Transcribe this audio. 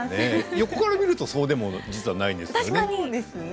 横から見るとそうでも実はないんですけどね。